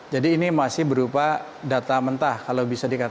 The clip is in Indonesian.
jadi ini masih berupa data mentah kalau bisa dikatakan